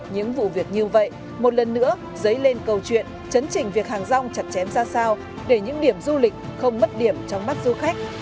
những vụ việc như vậy một lần nữa giấy lên câu chuyện chấn trình việc hàng rong chặt chém ra sao để những điểm du lịch không mất điểm trong mắt du khách